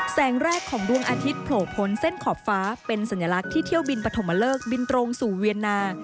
แสงแรกของดวงอาทิตย์โผล่พ้นเส้นขอบฟ้าเป็นสัญลักษณ์ที่เที่ยวบินปฐมเลิกบินตรงสู่เวียนนา